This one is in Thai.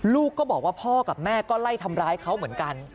ลูกก็บอกว่าพ่อกับแม่ก็ไล่ทำร้ายเขาเหมือนกัน